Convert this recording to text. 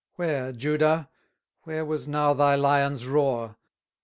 Where, Judah! where was now thy lion's roar?